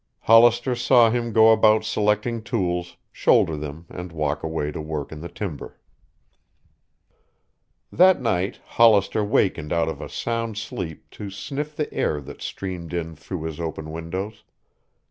Hollister saw him go about selecting tools, shoulder them and walk away to work in the timber. That night Hollister wakened out of a sound sleep to sniff the air that streamed in through his open windows.